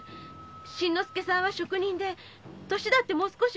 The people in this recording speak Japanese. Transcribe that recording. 新之助さんは職人で年だってもう少し若いし。